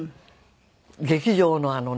劇場のあのね